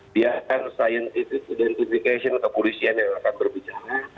biarkan scientific identification kepolisian yang akan berbicara